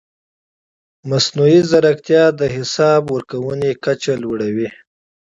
مصنوعي ځیرکتیا د حساب ورکونې کچه لوړوي.